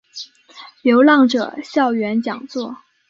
流浪者校园讲座